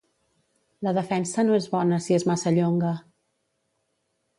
La defensa no és bona si és massa llonga.